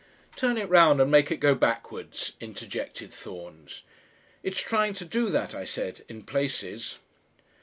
"Turn it round and make it go backwards," interjected Thorns. "It's trying to do that," I said, "in places."